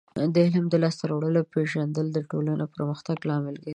د علم د لاسته راوړنو پیژندل د ټولنې پرمختګ لامل ګرځي.